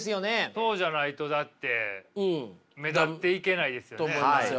そうじゃないとだって目立っていけないですよね。と思いますよ。